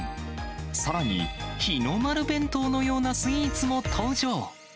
さらに、日の丸弁当のようなスイーツも登場。